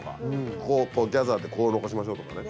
ここをこうギャザーでこう残しましょうとかね。